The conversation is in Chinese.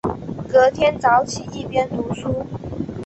隔天早起一边读书